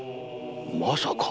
まさか？